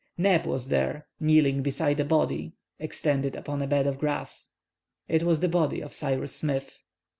Neb was there, kneeling beside a body extended upon a bed of grass— It was the body of Cyrus Smith.